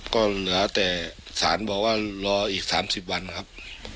ก็เหลือแต่สารบอกว่ารออีก๓๐วันนะครับ